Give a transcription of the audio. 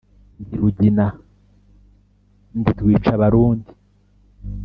Ndi Rugina ndi Rwicabarundi